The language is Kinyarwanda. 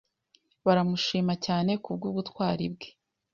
Baramushima cyane kubwutwari bwe.